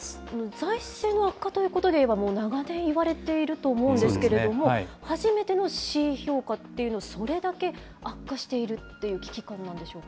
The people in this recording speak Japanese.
財政の悪化ということで言えば、もう長年、いわれていると思うんですけれども、初めてのＣ評価っていうのは、それだけ悪化しているっていう危機感なんでしょうか。